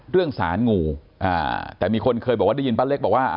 เรื่องสารงูอ่าแต่มีคนเคยบอกว่าได้ยินป้าเล็กบอกว่า